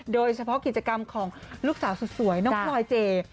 โดยเฉพาะกิจกรรมของลูกสาวสุดสวยน้องพลอยเจ